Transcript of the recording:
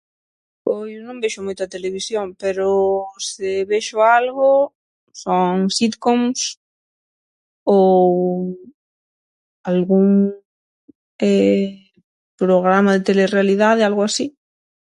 Pois non vexo moita televisión, pero se vexo algo son sitcoms ou algún programa de telerealidade, algo así.